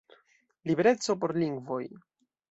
Libereco por lingvoj!